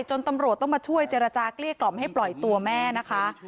ตำรวจต้องมาช่วยเจรจาเกลี้ยกล่อมให้ปล่อยตัวแม่นะคะ